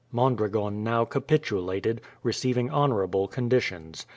Mondragon now capitulated, receiving honourable conditions.